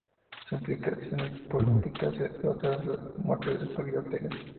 Su implicación en política cesó tras la muerte de Sol y Ortega.